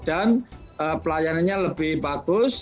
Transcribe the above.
dan pelayanannya lebih bagus